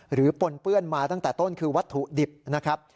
ปนเปื้อนมาตั้งแต่ต้นคือวัตถุดิบนะครับ